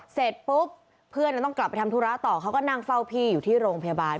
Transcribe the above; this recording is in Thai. เสร็จปุ๊บเพื่อนต้องกลับไปทำธุระต่อเขาก็นั่งเฝ้าพี่อยู่ที่โรงพยาบาล